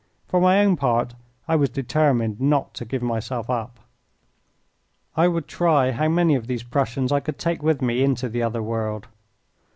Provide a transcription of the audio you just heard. For my own part I was determined not to give myself up. I would try how many of these Prussians I could take with me into the other world.